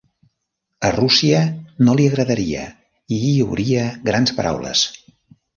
A Russia no li agradaria i hi hauria grans paraules.